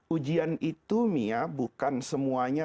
ujian itu bukan semuanya